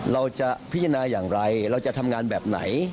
เราจะพิจารณาอย่างไรเราจะทำงานแบบไหน